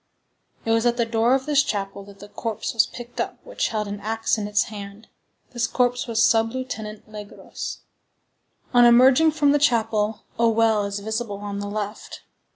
It was at the door of this chapel that the corpse was picked up which held an axe in its hand; this corpse was Sub Lieutenant Legros. On emerging from the chapel, a well is visible on the left.